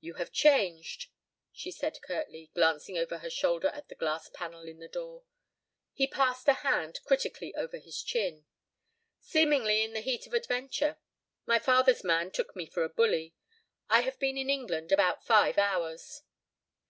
"You have changed," she said, curtly, glancing over her shoulder at the glass panel in the door. He passed a hand critically over his chin. "Seemingly, in the heat of adventure. My father's man took me for a bully. I have been in England about five hours."